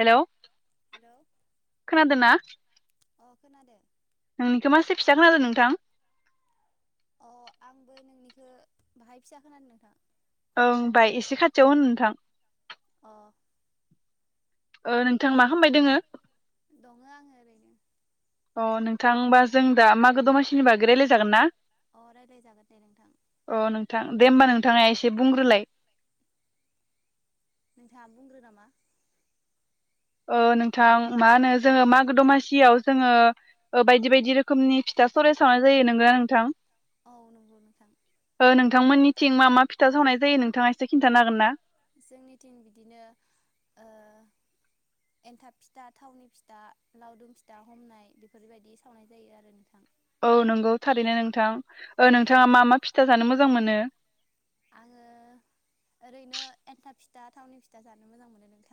हेल' खोनादोना? खोनादों नोंनिखौ मासे फिसा खोनादों नोंथां? अ आंबो नोंनिखो बाहाय फिसा खोनादो नोंथां। ओं बाय एसे खाथियाव होन नोंथां अ ओ नोंथां मा खामबाय दोङो अ थां होमबा जों दा मागो दमासिनि बागै रायलायजागोन ना? अ नोंथां दे होमबा नों थाङा एसे बुंग्रोलाय नोंथाङा बुंग्रो नामा नोंथां मा होनो जोंङो मागो दमासियाव जोंङो बायदि-बायदि रोखोमनि फिथा सरायसावनाय जायो नंगोना नोंथां। औ नंगौ नोंथां नोंथांमोननिथिं मा मा फिथा सावनाय जायो नोंथाङा एसे खिन्थानोहागोनना जोंनिथिं बिदिनो ओ एन्थाब फिथा थावनि फिथा लावदुम फिथा हमनाय बेफोरबायदि सावनाय जायो आरो नोंथां औ नंगौ थारैनो नोंथां नोंथाङा मा मा फिथा जानो मोजां मोनो? आङो ओरैनो एन्थाब फिथा थावनि फिथा जानो मोजां मोनो नों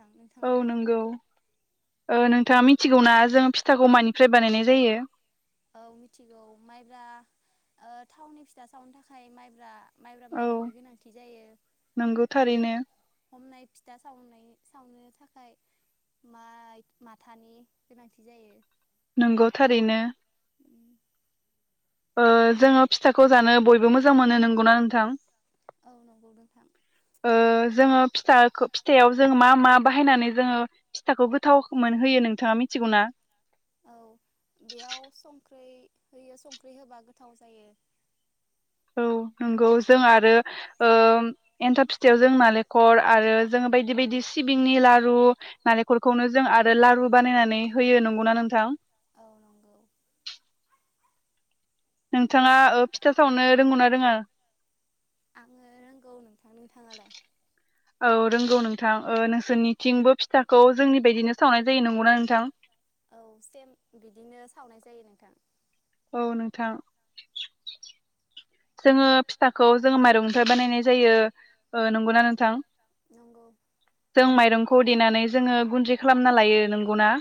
औ नंगौ। ओ नोंथाङा मिथिगौना जों फिथाखौ मानिफ्राय बानायनाय जायो? औ मिथिगौ मायब्रा थावननि फिथा सावनो थाखाय मायब्रा माइब्रा माइरंनि गोनांथि जायो आरो हमनाय फिथा सावनाय सावनो थाखाय माइ माथानि गोनांथि जायो। नंगौ थारैनो ओ जोङो फिथाखौ जानो बयबो मोजां मोनो नंगौना नोंथां नोंथा औ नंगौ नोंथां। फिथाखो फिथायाव जों मा मा बाहायनानै जोङो फिथाखौ गोथाव मोनहोयो नोंथाङा मिथिगौना? औ बेयाव संख्रि होयो संख्रि होबा गोथाव जायो। औ नंगौ जों आरो ओ एन्थाब फिथायाव जों नालेंखर आरो जों बायदि बायदि सिबिंनि लारु नालेंखरखौनो जों आरो लारु बानायनानै होयो नंगौना नोंथां? नोंथाङा ओ फिथा सावनो रोंगौना रोङा? आङो रोंगौ नोंथां। नोंथांङालाय? औ रोंगौ नोंथां ओ नोंसोरनिथिंबो फिथाखौ जोंनि बायदिनो सावनाय जायो नंगौना नोंथां? औ सेम बिदिनो सावनाय जायो नोंथां औ नोंथां जोङो फिथाखौ जोङो माइरंनिफ्राय बानायनाय जायो ओ नंगौना नोंथां जों माइरंखौ देनानै जोङो गुन्दैखौ खालामना लायो नंगौना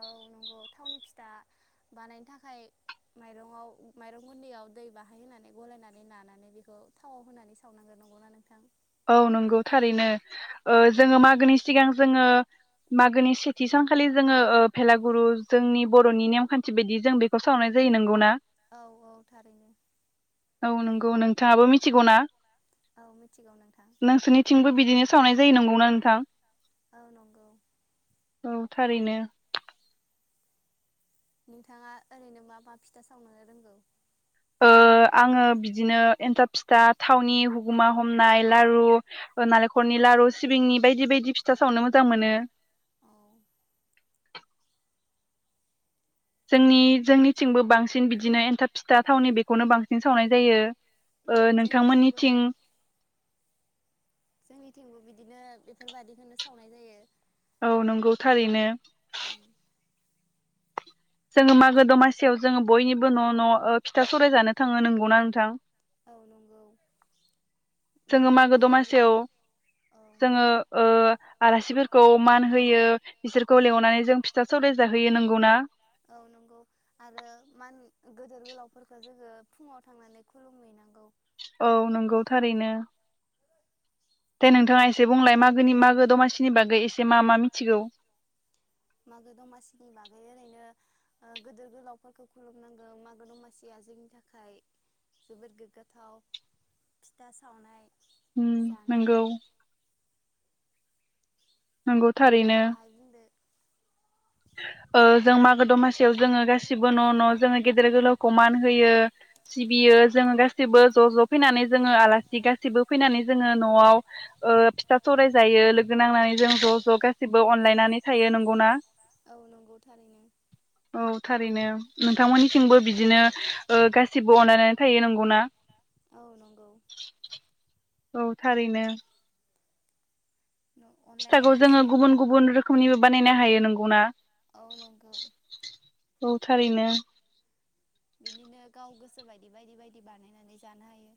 औ नंगौ थावनि फिथा बानायनो थाखाय माइरंआव माइरं गुन्दैयाव दै बाहाय होनानै गलायनानै नानानै बेखौ थावाव होनानै सावनांगोन नंगौ ना नोंथां औ नंगौ थारैनो ओ जोङो मागोनि सिगां जोङो मागोनि सेथि सानखालि जोङो ओ भेलागुरु जोंनि बर'नि नेमखान्थि बायदि जों बेखौ सावनाय जायो नंगौ ना? औ औ थारैनो बिथाङाबो मिथिगौ ना औ मिथिगौ नोंथां। नोंसोरनि थिंबो बिदिनो सावनाय जायो नंगौना नोंथां? औ नंगौ। थारैनो नोंथाङा ओरैनो मा मा फिथा सावनो रोंगौ? ओ आंङो बिदिनो एन्थाब फिथा, थावनि हुगुमा हमनाय, लारु नालेंखरनि, लारु सिबिंनि बायदि बायदि फिथा सावनो मोजां मोनो। जोंनि जोंनिथिंबो बांसिन बिदिनो एन्थाब फिथा थावनि बेखौनो बांसिन सावनाय जायो। ओ नोंथां मोननिथिं जोंनि थिंबो बिदिनो बेफोरबादिखौनो सावनाय जायो। औ नंगौ थारैनो। जोङो मागो दमासियाव जोङो बयनिबो न' न' फिथा सौरायजानो थाङो नंगौ ना नोंथां औ नंगौ। जोङो मागो दमासियाव जोङो ओ आलासिफोरखौ मान होयो बिसोरखौ लिंहरनानै जों फिथा सौराय जाहोयो नंगौ ना? औ नंगौ आरो मा गेदेर गोलावफोरखौ जोङो फुङाव थांनानै खुलुम हैनांगौ। औ नंगौ थारैनो। दे नोंथाङा एसे बुंलाय मागोनि मागो दमासिनि बागै एसे मा मा मिथिगौ। मागो दमासिनि बागै ओरैनो ओ गोदोर गोलावफोरखौ खुलुमनांगौ मागो दमासिया जोंनि थाखाय जोबोद गोग्गाथाव फिथा सावनाय ओम नंगौ नोंथाङा बाहाय बुंदो ओ जों मागो दमासियाव जोङो गासिबो न' न' जोङो गेदेर गोलावखौ मान होयो सिबियो जोङो गाैबो ज' ज' फैनानै जोङो आलासि गासिबो फैनानै जोङो न'आव ओ फिथा सौवराय जायो लोगो नांनानै जों ज' ज' गासिबो अनलायनानै थायो। नंगौना औ नंगौ थारैनो बिदिनो मोननिथिंबो बिदिनो ओ गासिबो अनलायनानै थायो नंगौना? औ थारैनो। फिथाखौ जोङो गुबुन गुबुन रोखोमनिबो बानायनो हायो नोंगौना? औ नंगौ औ थारैनो बिनिनो गाव गोसो बायदि बायदि बायदि बानायनानै जानो हायो।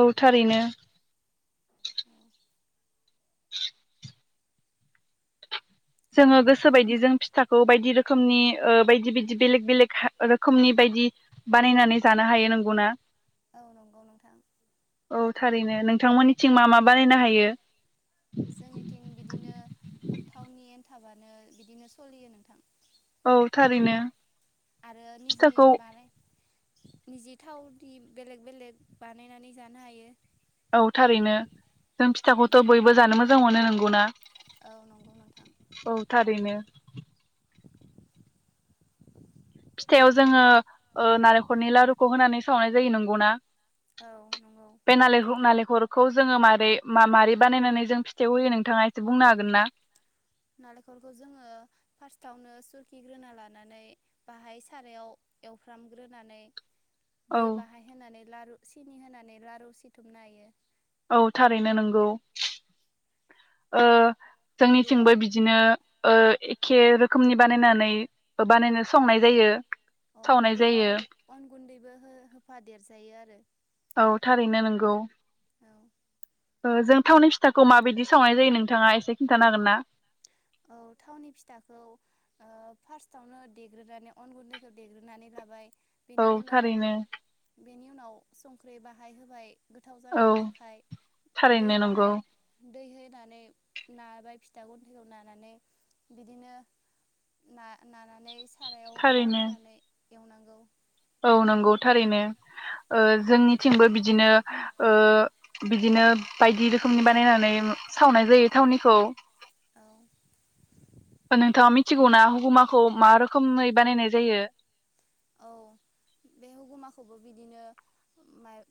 औ थारैनो [inaudible] [inaudible] जोङो गोसो बायदि जों फिथा औ बायदि रोखोमनि ओ बायदि बायदि बेलेग बेलेग हा रोखोमनि बायदि बानायनानै जानो हायो नंगौना औ नंगौ नोंथां औ थारैनो नोंथांमोननिथिं मा मा बानायनो हायो। जोंनिथिं बिदिनो थावनि थाबानो बिदिनो सलियो नोंथां। औ थारैनो। आरो निजे बानाय निजि थावनि बेलेग बेलेग बानायनानै जानो हायो औ थारैनो जों फिथाखौथ' बयबो जानो मोजां मोनो नंगौना औ थारैनो फिथाआव जोङो ओ नारेंखलनि लारुखौ होनानै सावनाय जायो नंगौना? औ नंगौ हरखौ जोङो मारै मा मारै बानायनानै जों फिथाइयाव होयो नोंथाङा एसे बुंनो हागोन ना? नालेंखरखौ जोङो फार्स्टआवनो सुरखिग्रोना लानानै बाहाय सारायाव एवफ्रामग्रोनानै, दै बाहाय होनानै लारु सिनि होनानै लारु सिथुमनो हायो। औ थारैनो नंगौ। ओ जोंनिथिंबो बिदिनो ओ खे रोखोमनि बानायनानै बानायनो संनाय जायो। औ बेयाव अन गुन्दै बेबो हो होफादेरजायो आरो औ थारैनो नोंगौ औ ओ जों थावनि फिथाखौ माबायदि सावनाय जायो नोंथाङा एसे खिन्थानो हागोन ना? औ थावनि फिथाखौ ओ फारसथावनो देग्रोनानै अन गुन्दैखौ देग्रोनानै लाबाय। औ थारैनो बेनि उनाव संख्रि बाहाय होबाय गोथाव जानायनि थाखाय दै बाहाय दैहै होननानै नाबाय फिथा [unintelligible] माने बिदिनो ना नानानै सारायाव थाव होनानै एवनांगौ। औ नंगौ थारैनो ओ जोंनिथिंबो बिदिनो ओ बिदिनो बायदि रोखोमनि बानायनानै सावनाय जायो थावनिखौ। औ। नोंथाङा मिथिगौना हुगुमाखौ मा रोखोमै बानायनाय जायो? औ बे हगुमाखौबो बिदिनो माय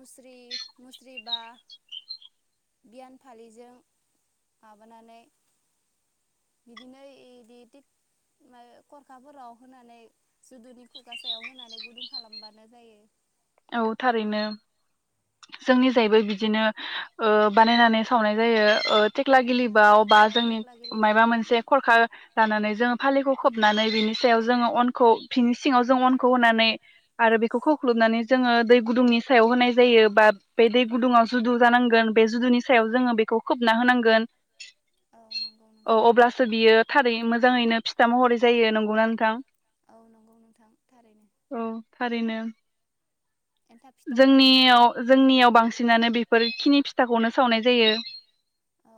मुस्रि मुस्रि बा बियान फालिजों माबानानै बिदिनो इदि थिथ माय खरखाफोराव होनानै जुदुनि खुगा सायाव होनानै गुदुं खालामबानो जायो। औ थारैनो। जोंनि जायबो बिदिनो आबानायनानै सावनाय जायो। ओ थेख्ला गिलिबाव बा जोंनि मायबा मोनसे खरखा लानानै जोङो फालिखौ खोबनानै बिनि सायाव जोङो अन खौ फिनि सिङाव जों अनखौ होनानै आरो बेखौ खावख्लुबनानै जोङो दै गुदुंनि सायाव होनाय जायो। बा बे दै गुदुङाव जुदु जानांगोन बे जुदुनि सायाव जोङो बेखौ खोबना होनांगोन। औ अब्लासो बियो थारै मोज जोङैनो फिथा महरै जायो नंगौना नोंथां? औ नंगौ नोंथां थारैनो। जोंनि याव जोंनियाव बांसिनानो बेफोरखिनि फिथाखौनो सावनाय जायो। औ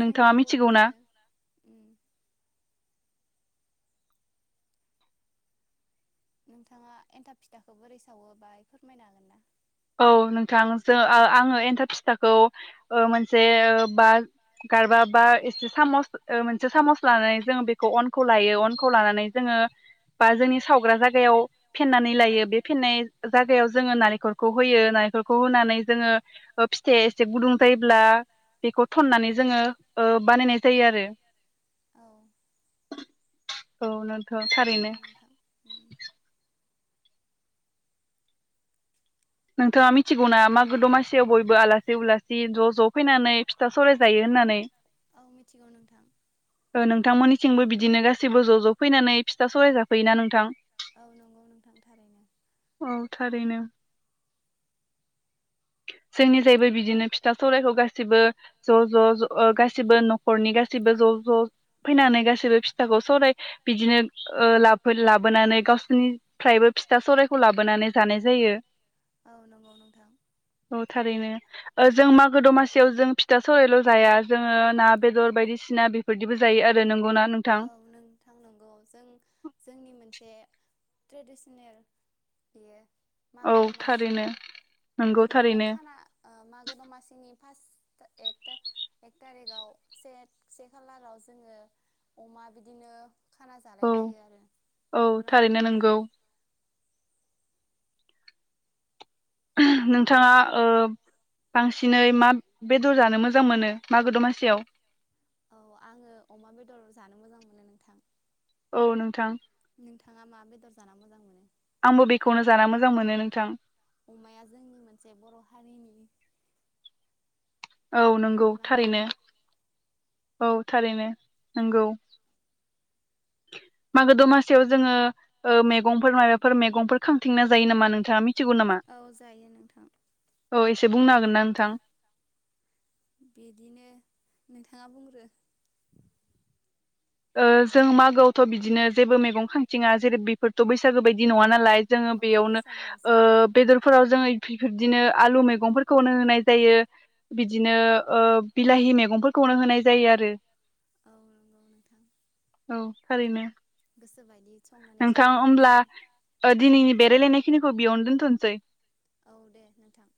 जोंनियावबो बिदिनो उम। नोंथाङा एन्थाब फिथाखौ बोरै सावो बाय फोरमायनो हागोन ना? औ नोंथां जो-आङो एन्थाब फिस्थाखौ मोनसे बा गारबा बा एसे सामस मोनसे सामस लानानै जोङो बेखौ अनखौ लायो अनखौ लानानै जोङो बा जोंनि सावग्रा जायगायाव फेन्नानै लायो बे फेन्नाय जायगायाव जोङो ना। खौ होयो नारेखलखौ होनानै जोङो फिथाया एसे गुदुं जायोब्ला बेखौ थन्नानै जोङो ओ बानायनाय जायो आरो। औ नोन। ओ थारैनो। नोंथाङा मिथिगौना मागो दमासियाव बयबो आलासि उलासि ज' ज' फैनानै फिथा सौराय जायो होननानै? ओ नोंथांमोननि थिंबो बिदिनो गासैबो ज ज फैनानै फिथा सराय जाफैयोना नोंथां। औ नंगौ नोंथां थारैनो। जोंनि जायबो बिदिनो फिथा सौरायखौ गासैबो ज' ज' ज' ओ गासिबो न'खरनि गासैबो ज' ज' फैनानै गासैबो फिथाखौ सौराय बिदिनो ओ लाब लाबोनानै गावसोरनि-फ्रायबो फिथा सरायखौ लाबोनानै जानाय जायो। औ थारैनो ओज जों मागो दमासियाव जों फिथा सौरायल' जाया जोङो ना बेदर बायदिसिना बेफोरदिबो जायो आरो नंगौना नोंथां? ट्रेडिसनेल बेयो। मागो दमासिया बिदिनो खाना ओ मागो दमासि फास एथ-एक थारिखाव से से खालाराव जोङो अमा बिदिनो। खाना जालाय लायो आरो नंगौना नोंथां। नोंथाङा ओ बांसिनै मा बेदर जानो मोजां मोनो मागो दमासियाव? औ आङो अमा बेदर जानो मोजां मोनो नोंथां। औ नोंथां। नोंथाङा मा बेदर जाना मोजां मोनो अमाया जोंनि मोनसे बर' हारिनि औ नंगौ थारैनो। औ थारैनो नोंगौ। मागो दमासियाव जोङो ओ मेगंफोर मायबाफोर मेगंफोर खांथिंना जायो नामा नोंथाङा मिथ औ जायो नोंथां। एसे बुंनो हागोन ना नोंथां बिदिनो नोंथाङा बुंग्रो। ओ जों मागोआवथ' बिदिनो जेबो मैगं खांथिङा जेरै बेफोरथ' बैसागो बायदि नङा नालाय। जोङो बेयावनो बेदरफोराव जोङो बेफोरदिनो आलु मैगंफोरखौनो होनाय जायो बिदिनो ओ बिलाहि मैगंफोरखौनो होनाय जायो आरो। औ नंगौ नोंथां औ ओरैनो। नोंथां ओमब्ला ओ दिनैनि बे रायलायनायखिनि बेयावनो दोनथनोसै। औ दे नोंथां‌